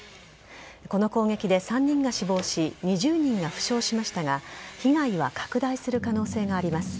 この攻撃で３人が死亡し２０人が負傷しましたが被害は拡大する可能性があります。